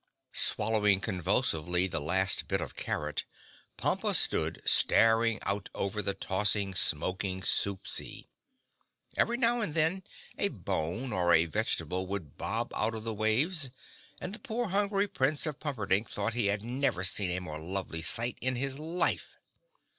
Swallowing convulsively the last bit of carrot, Pompa stood staring out over the tossing, smoking soup sea. Every now and then a bone or a vegetable would bob out of the waves, and the poor hungry Prince of Pumperdink thought he had never seen a more lovely sight in his life.